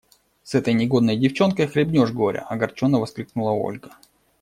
С этой негодной девчонкой хлебнешь горя! – огорченно воскликнула Ольга.